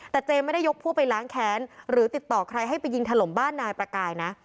แต่เจไม่ได้ยกพวกไปล้างแค้นหรือติดต่อใครให้ไปยิงถล่มบ้านนายประกายนะ